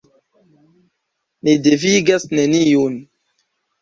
Ni devigas neniun.